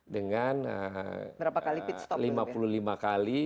dengan lima puluh lima kali